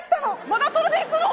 まだそれでいくの！？